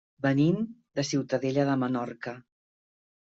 Venim de Ciutadella de Menorca.